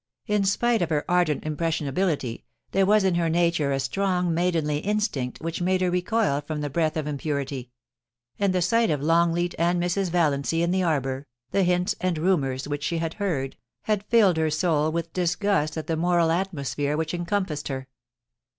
In spite of her ardent impressionability, there was in her nature a strong maidenly instinct which made her recoil from the breath of impurity ; and the sight of I^ngleat and Mrs. Valiancy in the arbour, the hints and rumours which she had heard, had filled her soul with dis gust at the moral atmosphere which encompassed her.